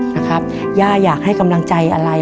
นะครับย่าอยากให้กำลังใจอะไร